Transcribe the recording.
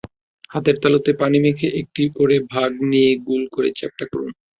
হাতের তালুতে পানি মেখে একটি করে ভাগ নিয়ে গোল করে চ্যাপ্টা করুন।